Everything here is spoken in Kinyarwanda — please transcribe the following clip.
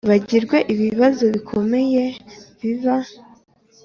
bagirwe Ibibazo bikomeye biba